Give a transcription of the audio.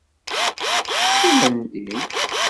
Qqimen din.